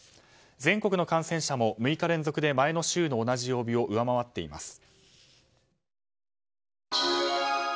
全国の感染者も６日連続で前の週の同じ曜日を上回っています。